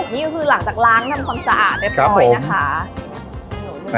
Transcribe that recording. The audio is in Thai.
นี่ก็คือหลังจากล้างทำความสะอาดได้พอเลยนะฮะ